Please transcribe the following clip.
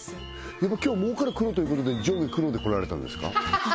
やっぱ今日儲かる黒ということで上下黒で来られたんですか？